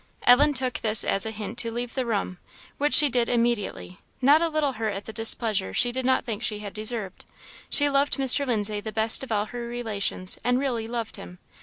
Ellen took this as a hint to leave the room, which she did immediately, not a little hurt at the displeasure she did not think she had deserved; she loved Mr. Lindsay the best of all her relations, and really loved him.